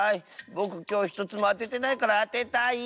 ぼくきょうひとつもあててないからあてたい。